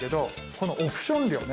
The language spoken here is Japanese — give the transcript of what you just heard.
このオプション料ね